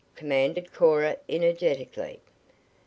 commanded Cora energetically.